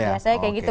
biasanya kayak gitu